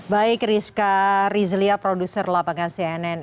baik rizka rizlia produser lapangan cnn